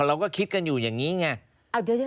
เราก็คิดกันอยู่อย่างนี้ไง